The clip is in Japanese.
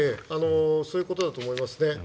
そういうことだと思います。